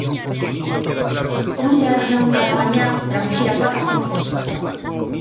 Como se ergue un cada mañá para muxir as vacas con esta situación?